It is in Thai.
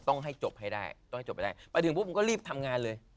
ต้องให้จบให้ได้ไปถึงปุ๊ปก็รีบทำงานเลย